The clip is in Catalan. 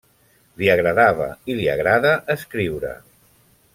Li agradava i li agrada escriure.